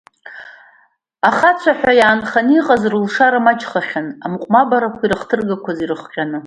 Ахацәа ҳәа иаанханы иҟаз рылшара маҷхахьан, амыҟәмабарақәа ирыхҭыргақәаз ирыхҟьаны.